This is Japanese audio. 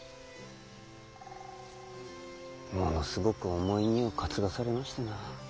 ものすごく重い荷を担がされましてな。